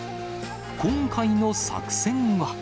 今回の作戦は。